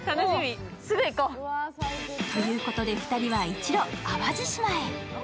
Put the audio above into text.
すぐ行こう。ということで２人は一路、淡路島へ。